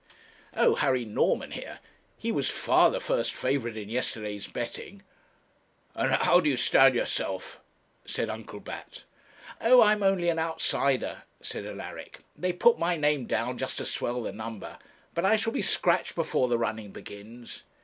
'Oh, Harry Norman, here. He was far the first favourite in yesterday's betting.' And how do you stand yourself?' said Uncle Bat. 'Oh! I'm only an outsider,' said Alaric. 'They put my name down just to swell the number, but I shall be scratched before the running begins.'